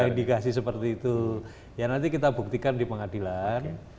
ada indikasi seperti itu ya nanti kita buktikan di pengadilan